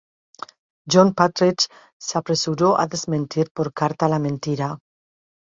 John Partridge se apresuró a desmentir por carta la mentira.